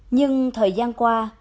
nhưng thời gian qua